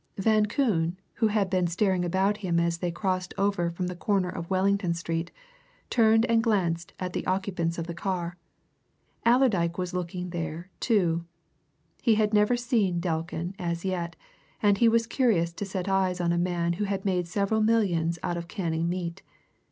Van Koon, who had been staring about him as they crossed over from the corner of Wellington Street, turned and glanced at the occupants of the car. Allerdyke was looking there, too. He had never seen Delkin as yet, and he was curious to set eyes on a man who had made several millions out of canning meat.